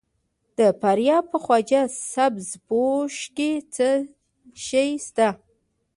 د فاریاب په خواجه سبز پوش کې څه شی شته؟